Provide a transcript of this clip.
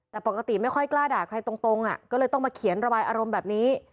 แต่ปกติไม่ค่อยกล้าด่าใครตรงก็เลยต้องมาเขียนระบายอารมณ์แบบนี้